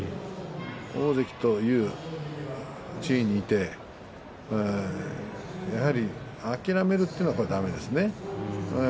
大関という地位にいて諦めるというのはだめですね。